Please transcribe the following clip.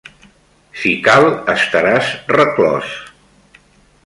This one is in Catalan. Si cal, estaràs reclòs.